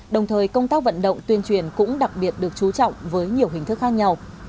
đồng thời công tác vận động tuyên truyền cũng đặc biệt được chú trọng với nhiều hình thức khác nhau